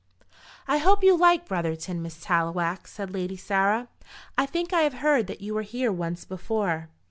"I hope you like Brotherton, Miss Tallowax," said Lady Sarah. "I think I have heard that you were here once before."